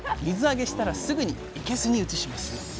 水揚げしたらすぐにいけすに移します。